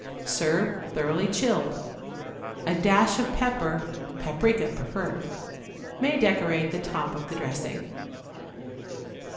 Serve thoroughly chilled. A dash of pepper (paprica preferred) may decorate the top of the dressing.